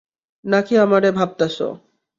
নাকি আমারে ভাবতাসো?